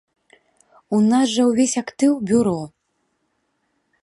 У нас жа ўвесь актыў, бюро.